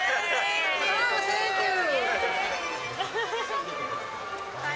センキュー。